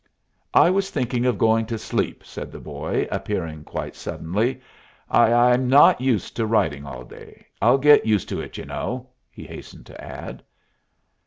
"I was thinking of going to sleep," said the boy, appearing quite suddenly. "I I'm not used to riding all day. I'll get used to it, you know," he hastened to add.